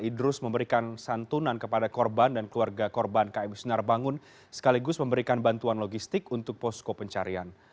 idrus memberikan santunan kepada korban dan keluarga korban km sinar bangun sekaligus memberikan bantuan logistik untuk posko pencarian